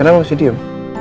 kenapa masih diem